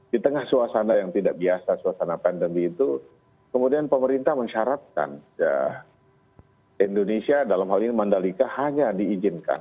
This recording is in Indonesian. di tengah suasana yang tidak biasa suasana pandemi itu kemudian pemerintah mensyaratkan indonesia dalam hal ini mandalika hanya diizinkan